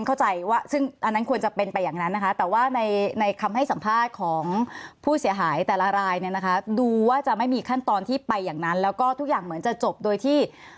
เข้าใจค่ะคือแต่เอาอย่างนี้นะคะท่านคือที่ท่านพูดมาที่ท่านเข้าใจว่า